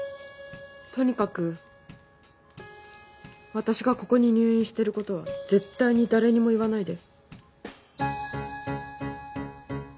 とにかく私がここに入院してることは絶対に誰にも言わないで。